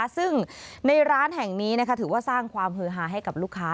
ซึ่งในร้านแห่งนี้ถือว่าสร้างความฮือฮาให้กับลูกค้า